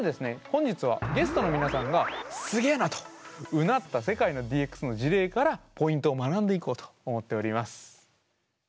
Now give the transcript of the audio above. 本日はゲストの皆さんが「すげえな」とうなった世界のＤＸの事例からポイントを学んでいこうと思っております。